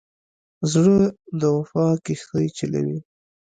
زړه د وفا کښتۍ چلوي.